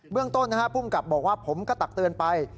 เรื่องต้นภูมิกับบอกว่าผมก็ตักเตือนไป